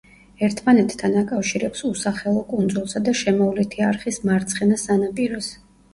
ერთმანეთთან აკავშირებს უსახელო კუნძულსა და შემოვლითი არხის მარცხენა სანაპიროს.